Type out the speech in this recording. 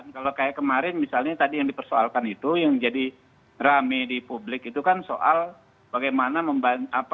kalau kayak kemarin misalnya tadi yang dipersoalkan itu yang jadi rame di publik itu kan soal bagaimana